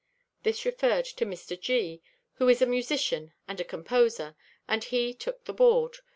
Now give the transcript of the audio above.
This referred to Mr. G., who is a musician and a composer, and he took the board.